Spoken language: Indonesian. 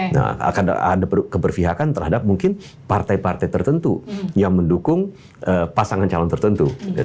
nah akan ada keberpihakan terhadap mungkin partai partai tertentu yang mendukung pasangan calon tertentu